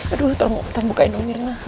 aduh tolong bukain mirna